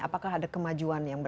apakah ada kemajuan